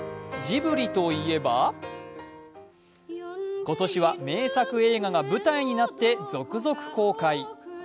ジブリといえば、今年は名作映画が舞台になって続々公開。